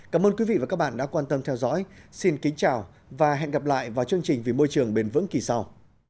cảm ơn quý vị và các bạn đã quan tâm theo dõi xin kính chào và hẹn gặp lại vào chương trình vì môi trường bền vững kỳ sau